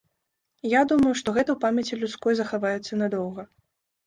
Я думаю, што гэта ў памяці людской захаваецца надоўга.